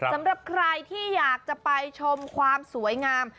สำหรับใครที่อยากจะไปชมความสวยงาม